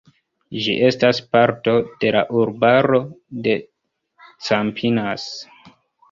Ĝi estas parto de urbaro de Campinas.